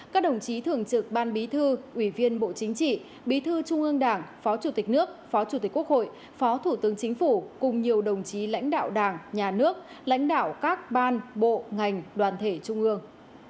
các đồng chí thường trực ban bí thư ủy viên bộ chính trị bí thư trung ương đảng phó chủ tịch nước phó chủ tịch quốc hội phó thủ tướng chính phủ cùng nhiều đồng chí lãnh đạo đảng nhà nước lãnh đạo các ban bộ ngành đoàn thể trung ương